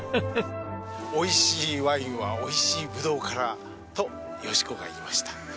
おいしいワインはおいしいブドウからと淑子が言いました。